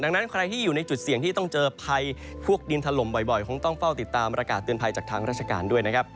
ดังนั้นใครที่อยู่ในจุดเสี่ยงที่ต้องเจอภัยพวกดินถล่มบ่อยคงต้องเฝ้าติดตามประกาศเตือนภัยจากทางราชการด้วยนะครับ